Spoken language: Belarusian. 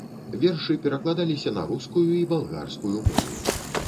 Вершы перакладаліся на рускую і балгарскую мовы.